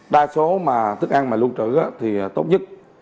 đa số mà thức ăn mà luôn trụ thì tốt nhất